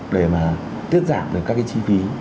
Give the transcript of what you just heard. để mà tiết giảm được các cái chi phí